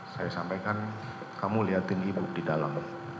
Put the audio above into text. saya sampaikan kamu lihatin ibu di dalam